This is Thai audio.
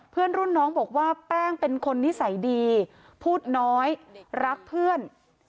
เพื่อนรุ่นน้องบอกว่าแป้งเป็นคนนิสัยดีพูดน้อยรักเพื่อน